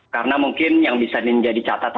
karena mungkin yang bisa menjadi catatan di sini